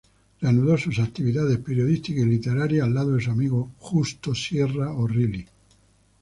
Reanudó sus actividades periodísticas y literarias al lado de su amigo Justo Sierra O'Reilly.